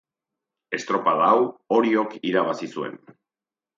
Estropada hau Oriok irabazi zuen.